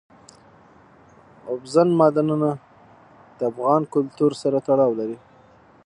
اوبزین معدنونه د افغان کلتور سره تړاو لري.